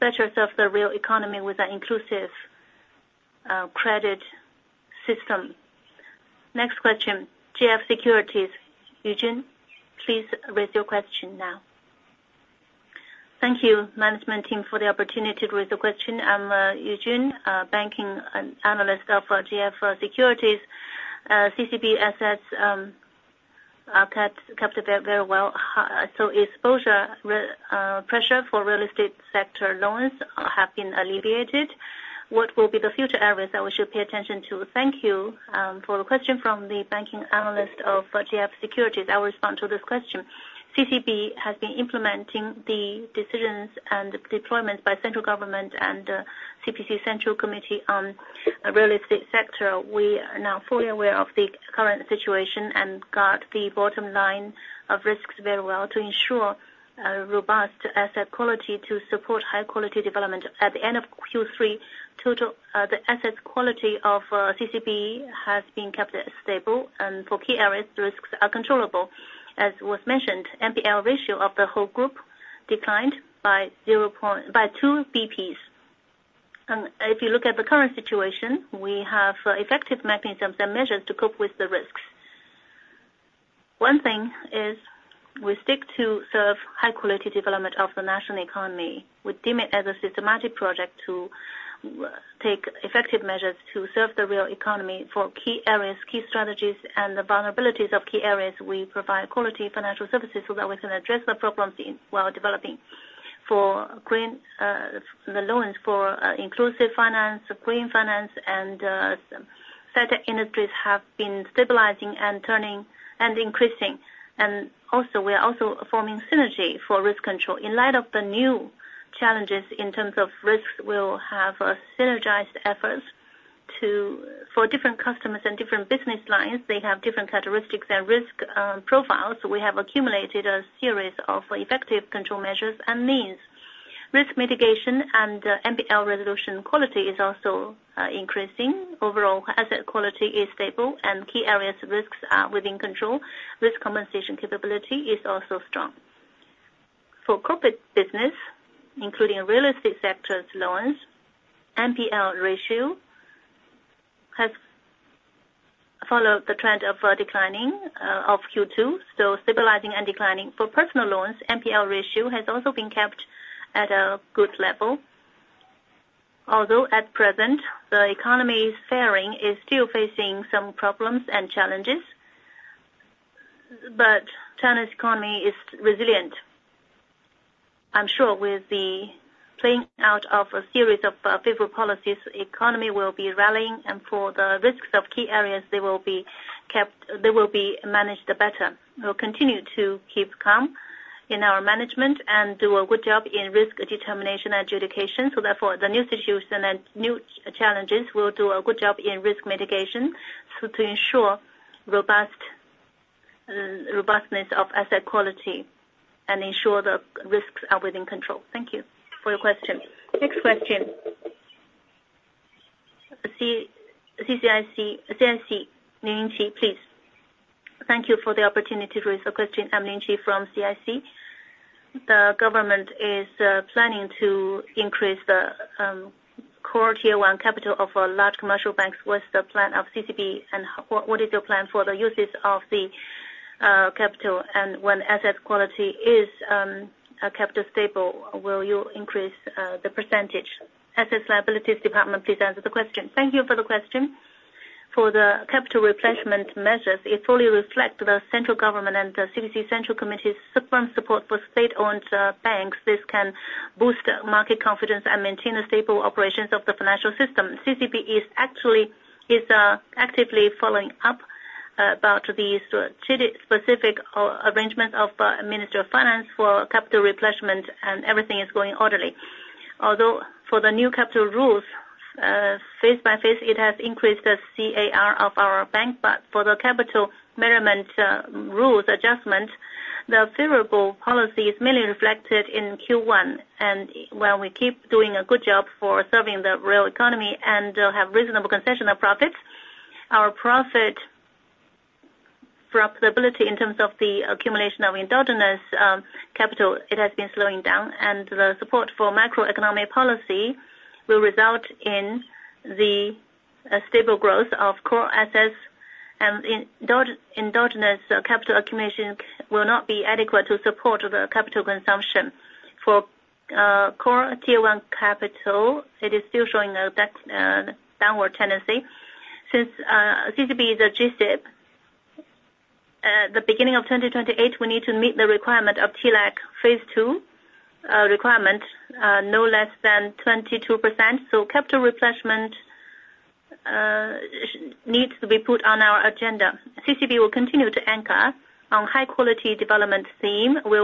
better serve the real economy with an inclusive credit system. Next question, GF Securities. Yu Jin, please raise your question now. Thank you, Management Team, for the opportunity to raise your question. I'm Yu Jin, banking analyst of GF Securities. CCB assets are kept very well. So exposure pressure for real estate sector loans have been alleviated. What will be the future areas that we should pay attention to? Thank you for the question from the banking analyst of GF Securities. I will respond to this question. CCB has been implementing the decisions and deployments by central government and CPC Central Committee on real estate sector. We are now fully aware of the current situation and got the bottom line of risks very well to ensure robust asset quality to support high-quality development. At the end of Q3, the asset quality of CCB has been kept stable. For key areas, risks are controllable. As was mentioned, NPL ratio of the whole group declined by 2 basis points. If you look at the current situation, we have effective mechanisms and measures to cope with the risks. One thing is we stick to serve high-quality development of the national economy. We deem it as a systematic project to take effective measures to serve the real economy for key areas, key strategies, and the vulnerabilities of key areas. We provide quality financial services so that we can address the problems while developing. For the loans for inclusive finance, green finance, and fintech industries have been stabilizing and increasing. We are also forming synergy for risk control. In light of the new challenges in terms of risks, we will have synergized efforts for different customers and different business lines. They have different characteristics and risk profiles. We have accumulated a series of effective control measures and means. Risk mitigation and NPL resolution quality is also increasing. Overall, asset quality is stable, and key areas of risks are within control. Risk compensation capability is also strong. For corporate business, including real estate sector loans, NPL ratio has followed the trend of declining of Q2, so stabilizing and declining. For personal loans, NPL ratio has also been kept at a good level. Although at present, the economy's faring is still facing some problems and challenges, but China's economy is resilient. I'm sure with the playing out of a series of favorable policies, the economy will be rallying, and for the risks of key areas, they will be managed better. We'll continue to keep calm in our management and do a good job in risk determination and adjudication. So therefore, the new situation and new challenges will do a good job in risk mitigation to ensure robustness of asset quality and ensure the risks are within control. Thank you for your question. Next question, CICC, Lin Yingqi, please. Thank you for the opportunity to raise a question. I'm Lin Yingqi from CICC. The government is planning to increase the core tier one capital of large commercial banks with the plan of CCB. And what is your plan for the uses of the capital? And when asset quality is kept stable, will you increase the percentage? Assets Liabilities Department, please answer the question. Thank you for the question. For the capital replacement measures, it fully reflects the central government and the CPC Central Committee's firm support for state-owned banks. This can boost market confidence and maintain a stable operation of the financial system. CCB is actually actively following up about these strategic specific arrangements of the Minister of Finance for capital replacement, and everything is going orderly. Although for the new capital rules, phase-by-phase, it has increased the CAR of our bank, but for the capital measurement rules adjustment, the favorable policy is mainly reflected in Q1, and while we keep doing a good job for serving the real economy and have reasonable concessional profits, our profitability in terms of the accumulation of endogenous capital, it has been slowing down, and the support for macroeconomic policy will result in the stable growth of core assets, and endogenous capital accumulation will not be adequate to support the capital consumption. For core tier one capital, it is still showing a downward tendency. Since CCB is adjusted at the beginning of 2028, we need to meet the requirement of TLAC phase two requirement, no less than 22%, so capital replacement needs to be put on our agenda. CCB will continue to anchor on high-quality development theme. We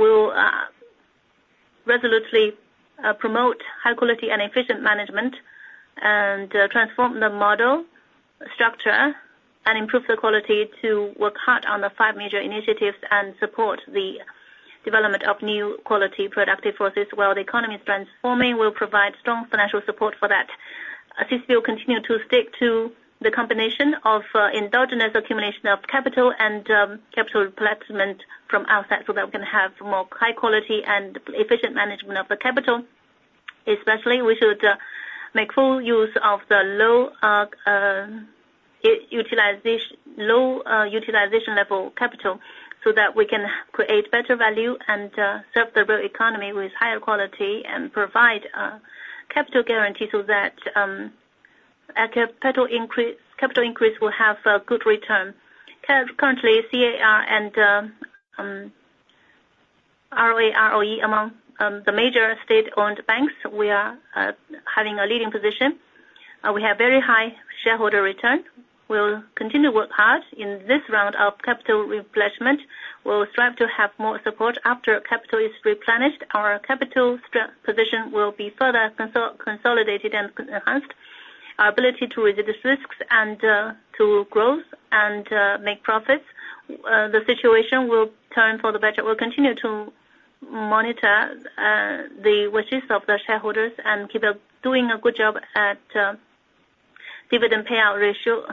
will resolutely promote high-quality and efficient management and transform the model structure and improve the quality to work hard on the five major initiatives and support the development of new quality productive forces. While the economy is transforming, we'll provide strong financial support for that. CCB will continue to stick to the combination of endogenous accumulation of capital and capital replacement from outside so that we can have more high-quality and efficient management of the capital. Especially, we should make full use of the low utilization level capital so that we can create better value and serve the real economy with higher quality and provide capital guarantee so that capital increase will have a good return. Currently, CAR and RAROE among the major state-owned banks, we are having a leading position. We have very high shareholder return. We'll continue to work hard in this round of capital replacement. We'll strive to have more support. After capital is replenished, our capital position will be further consolidated and enhanced. Our ability to resist risks and to grow and make profits. The situation will turn for the better. We'll continue to monitor the wishes of the shareholders and keep doing a good job at dividend payout ratio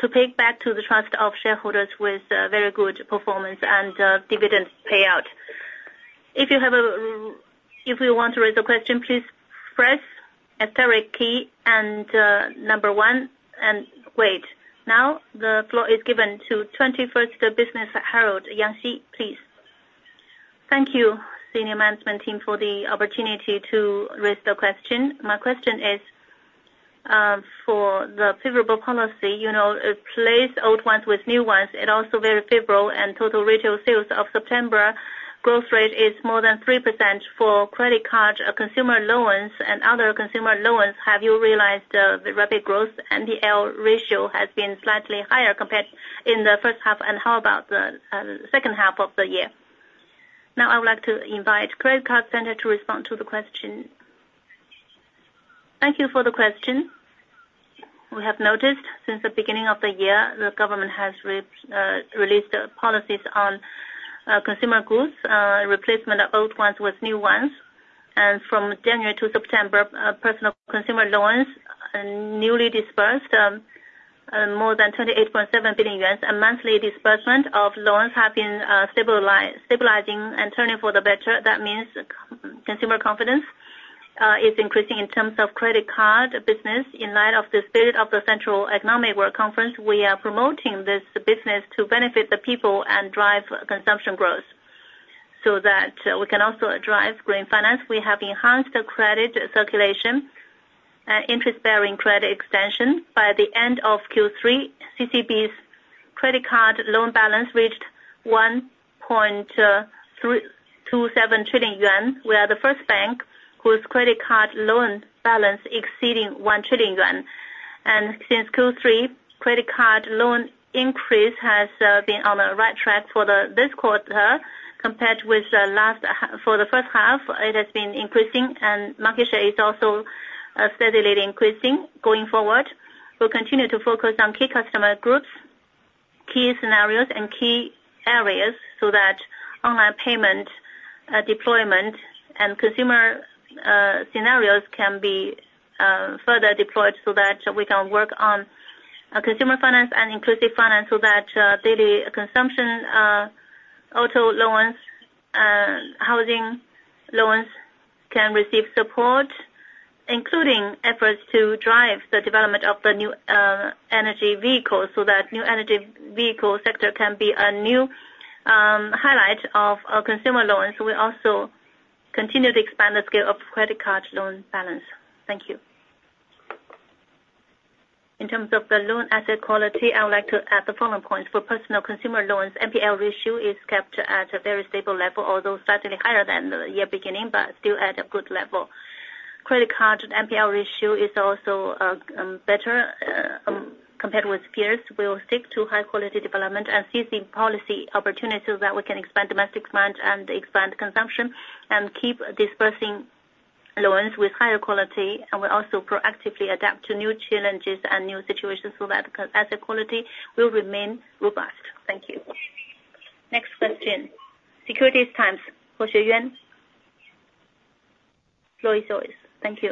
to pay back to the trust of shareholders with very good performance and dividend payout. If you want to raise a question, please press asterisk key and number one and wait. Now, the floor is given to 21st Century Business Herald, Yangxi, please. Thank you, Senior Management Team, for the opportunity to raise the question. My question is for the favorable policy. You know, it plays old ones with new ones. It's also very favorable, and total retail sales of September growth rate is more than 3% for credit card consumer loans and other consumer loans. Have you realized the rapid growth? NPL ratio has been slightly higher compared to the first half, and how about the second half of the year? Now, I would like to invite Credit Card Center to respond to the question. Thank you for the question. We have noticed since the beginning of the year, the government has released policies on consumer goods, replacement of old ones with new ones, and from January to September, personal consumer loans newly disbursed more than 28.7 billion yuan. And monthly disbursement of loans have been stabilizing and turning for the better. That means consumer confidence is increasing in terms of credit card business. In light of this period of the Central Economic Work Conference, we are promoting this business to benefit the people and drive consumption growth so that we can also drive green finance. We have enhanced credit circulation and interest-bearing credit extension. By the end of Q3, CCB's credit card loan balance reached 1.27 trillion yuan. We are the first bank whose credit card loan balance exceeding 1 trillion yuan. Since Q3, credit card loan increase has been on the right track for this quarter compared with the last. For the first half, it has been increasing, and market share is also steadily increasing going forward. We'll continue to focus on key customer groups, key scenarios, and key areas so that online payment deployment and consumer scenarios can be further deployed so that we can work on consumer finance and inclusive finance so that daily consumption auto loans and housing loans can receive support, including efforts to drive the development of the new energy vehicles so that new energy vehicle sector can be a new highlight of consumer loans. We also continue to expand the scale of credit card loan balance. Thank you. In terms of the loan asset quality, I would like to add the following points. For personal consumer loans, NPL ratio is kept at a very stable level, although slightly higher than the year beginning, but still at a good level. Credit card NPL ratio is also better compared with peers. We will stick to high-quality development and see the policy opportunities so that we can expand domestic demand and expand consumption and keep disbursing loans with higher quality. And we also proactively adapt to new challenges and new situations so that asset quality will remain robust. Thank you. Next question, Securities Times. He Xieyuan from Securities Times. Thank you.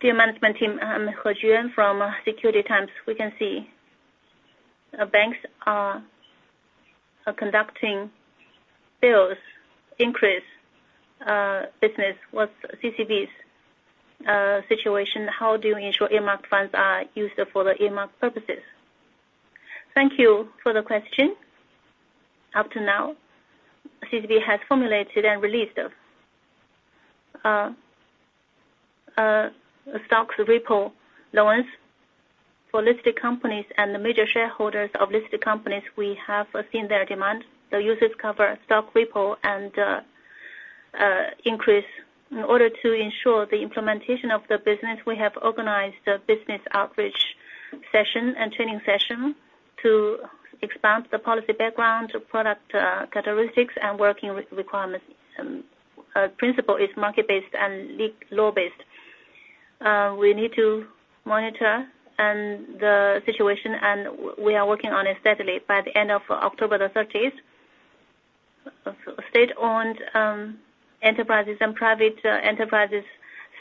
Dear Management Team, I'm He Xieyuan from Securities Times. We can see banks are conducting bills issuance business. What's CCB's situation? How do you ensure earmarked funds are used for the earmarked purposes? Thank you for the question. Up to now, CCB has formulated and released stock repurchase loans for listed companies and the major shareholders of listed companies. We have seen their demand. The uses cover stock repurchase and increase. In order to ensure the implementation of the business, we have organized business outreach session and training session to expand the policy background, product characteristics, and working requirements. Principle is market-based and law-based. We need to monitor the situation, and we are working on it steadily. By the end of October 30th, state-owned enterprises and private enterprises,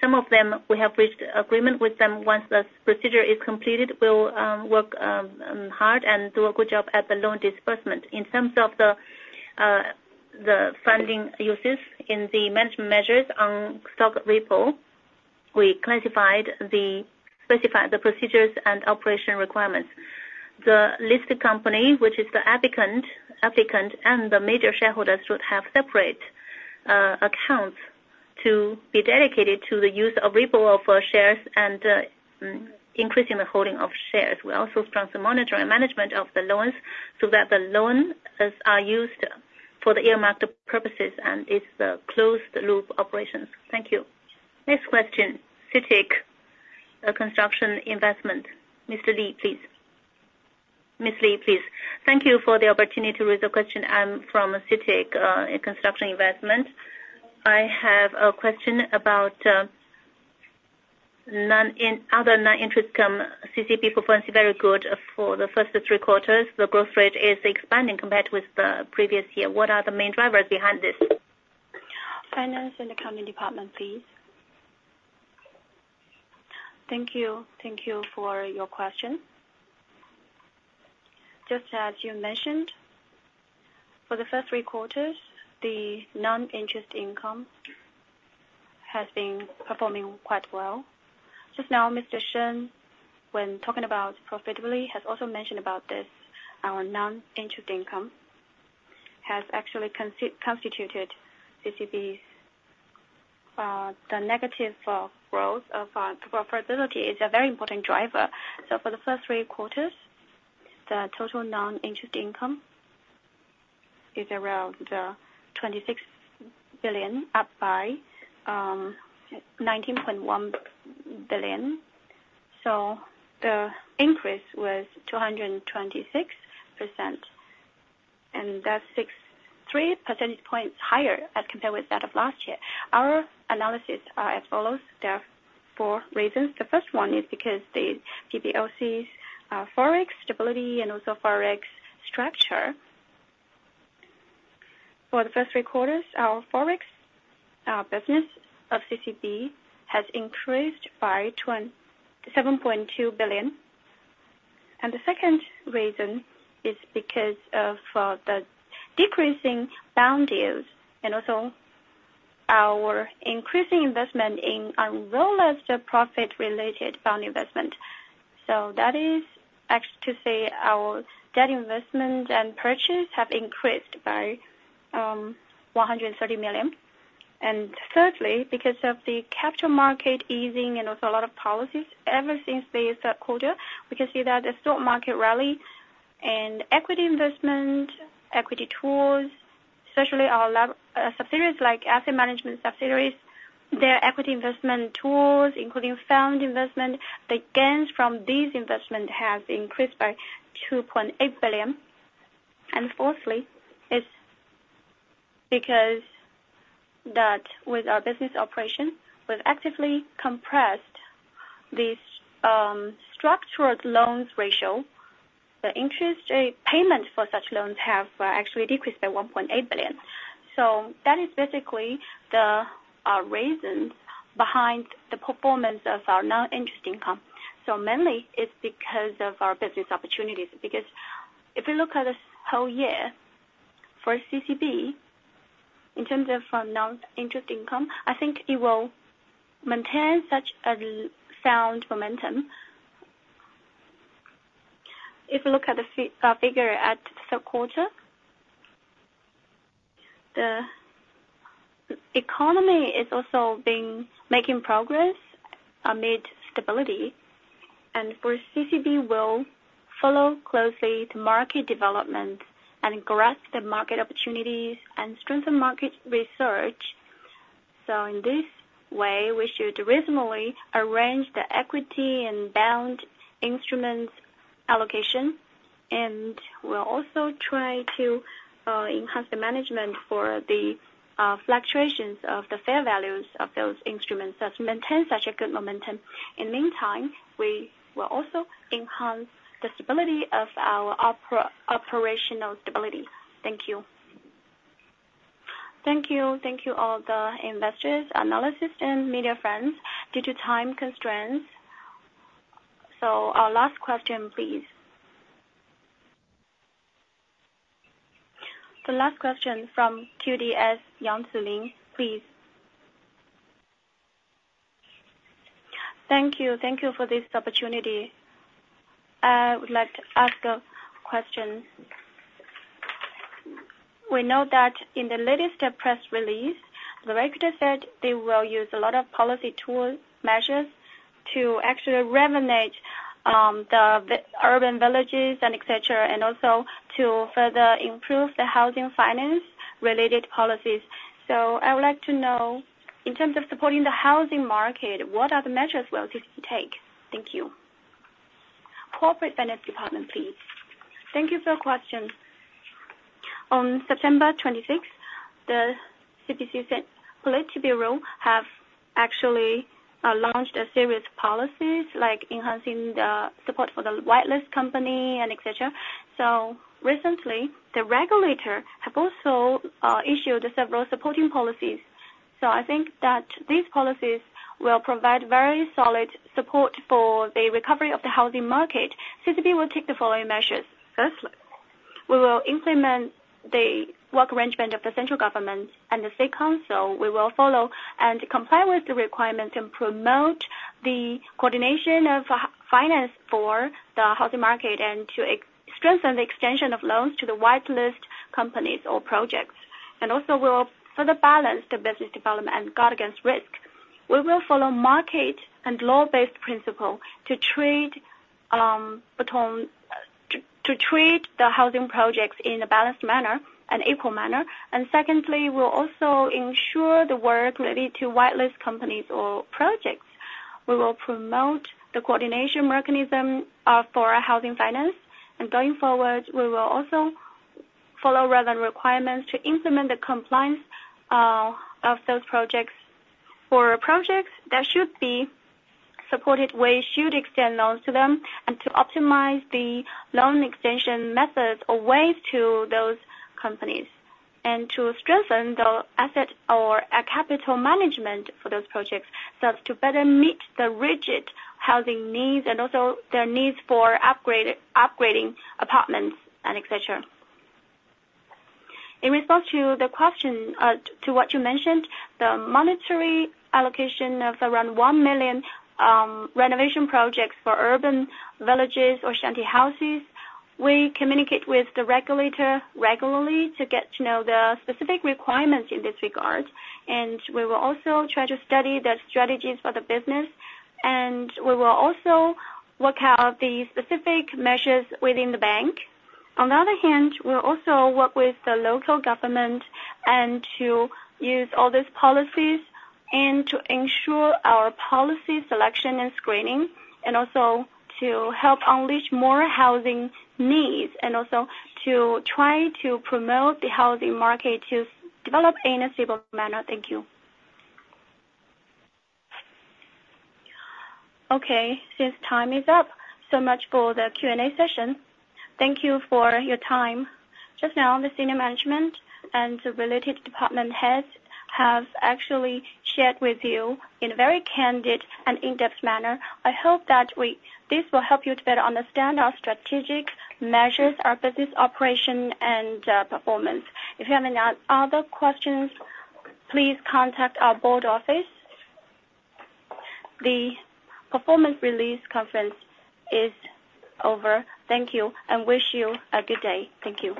some of them we have reached agreement with them. Once the procedure is completed, we'll work hard and do a good job at the loan disbursement. In terms of the funding uses in the management measures on stock repurchase, we specified the procedures and operation requirements. The listed company, which is the applicant, and the major shareholders should have separate accounts to be dedicated to the use of repurchase of shares and increasing the holding of shares. We also strengthen monitoring and management of the loans so that the loans are used for the earmarked purposes and it's a closed-loop operations. Thank you. Next question, CITIC Construction Investment. Mr. Li, please. Ms. Li, please. Thank you for the opportunity to raise a question. I'm from CITIC Construction Investment. I have a question about other non-interest income. CCB performance is very good for the first three quarters. The growth rate is expanding compared with the previous year. What are the main drivers behind this? Finance and Accounting Department, please. Thank you. Thank you for your question. Just as you mentioned, for the first three quarters, the non-interest income has been performing quite well. Just now, Mr. Sheng, when talking about profitability, has also mentioned about this. Our non-interest income has actually constituted CCB's. The negative growth of profitability is a very important driver. For the first three quarters, the total non-interest income is around 26 billion, up by 19.1 billion. The increase was 226%, and that's 63 percentage points higher as compared with that of last year. Our analysis is as follows. There are four reasons. The first one is because the PBoC's forex stability and also forex structure. For the first three quarters, our forex business of CCB has increased by 7.2 billion. The second reason is because of the decreasing bond yields and also our increasing investment in unrealized profit-related bond investment. That is actually to say our debt investment and purchase have increased by 130 million. And thirdly, because of the capital market easing and also a lot of policies ever since the third quarter, we can see that the stock market rally and equity investment, equity tools, especially our subsidiaries like asset management subsidiaries, their equity investment tools, including fund investment, the gains from these investments have increased by 2.8 billion. And fourthly, it's because that with our business operation, we've actively compressed these structured loans ratio. The interest payment for such loans have actually decreased by 1.8 billion. So that is basically the reasons behind the performance of our non-interest income. So mainly, it's because of our business opportunities. Because if you look at this whole year for CCB, in terms of non-interest income, I think it will maintain such a sound momentum. If you look at the figure at the third quarter, the economy is also making progress amid stability. And for CCB, we'll follow closely the market development and grasp the market opportunities and strengthen market research. So in this way, we should reasonably arrange the equity and bond instruments allocation. And we'll also try to enhance the management for the fluctuations of the fair values of those instruments that maintain such a good momentum. In the meantime, we will also enhance the stability of our operational stability. Thank you. Thank you. Thank you, all the investors, analysts, and media friends. Due to time constraints. So our last question, please. The last question from QDS, Yangxi, please. Thank you. Thank you for this opportunity. I would like to ask a question. We know that in the latest press release, the regulator said they will use a lot of policy tool measures to actually revitalize the urban villages and etc., and also to further improve the housing finance-related policies. So I would like to know, in terms of supporting the housing market, what are the measures we'll take? Thank you. Corporate Finance Department, please. Thank you for your question. On September 26th, the CPC Political Bureau has actually launched a series of policies like enhancing the support for the whitelist company and etc. So recently, the regulator has also issued several supporting policies. So I think that these policies will provide very solid support for the recovery of the housing market. CCB will take the following measures. Firstly, we will implement the work arrangement of the central government and the State Council. We will follow and comply with the requirements and promote the coordination of finance for the housing market and to strengthen the extension of loans to the whitelist companies or projects. And also, we will further balance the business development and guard against risk. We will follow market and law-based principle to treat the housing projects in a balanced manner and equal manner. And secondly, we'll also ensure the work related to whitelist companies or projects. We will promote the coordination mechanism for housing finance. And going forward, we will also follow relevant requirements to implement the compliance of those projects. For projects that should be supported, we should extend loans to them and to optimize the loan extension methods or ways to those companies and to strengthen the asset or capital management for those projects so as to better meet the rigid housing needs and also their needs for upgrading apartments and etc. In response to the question to what you mentioned, the monetary allocation of around one million renovation projects for urban villages or shanty houses, we communicate with the regulator regularly to get to know the specific requirements in this regard. And we will also try to study the strategies for the business. And we will also work out the specific measures within the bank. On the other hand, we'll also work with the local government to use all these policies and to ensure our policy selection and screening and also to help unleash more housing needs and also to try to promote the housing market to develop in a stable manner. Thank you. Okay. Since time is up, so much for the Q&A session. Thank you for your time. Just now, the senior management and related department heads have actually shared with you in a very candid and in-depth manner. I hope that this will help you to better understand our strategic measures, our business operation, and performance. If you have any other questions, please contact our board office. The performance release conference is over. Thank you and wish you a good day. Thank you.